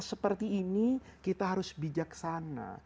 seperti ini kita harus bijaksana